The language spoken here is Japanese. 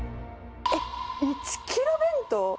えっ、１キロ弁当？